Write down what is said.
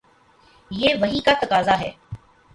یہ وحی کا تقاضا ہے۔